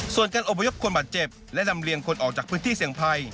ส่วนการอบพยพคนบาดเจ็บและลำเลียงคนออกจากพื้นที่เสี่ยงภัย